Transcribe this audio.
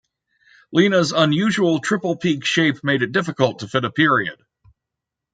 "Lina"s unusual triple-peak shape made it difficult to fit a period.